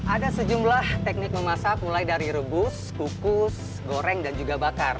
ada sejumlah teknik memasak mulai dari rebus kukus goreng dan juga bakar